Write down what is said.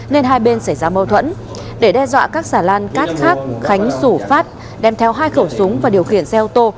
nên hai bên xảy ra mâu thuẫn để đe dọa các xà lan cát khác khánh rủ phát đem theo hai khẩu súng và điều khiển xe ô tô